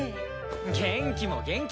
元気も元気。